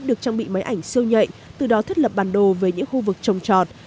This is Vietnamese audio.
được trang bị máy ảnh siêu nhạy từ đó thiết lập bản đồ về những khu vực trồng trọt